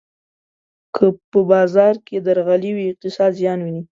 که په بازار کې درغلي وي، اقتصاد زیان ویني.